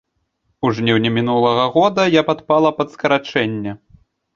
У жніўні мінулага года я падпала пад скарачэнне.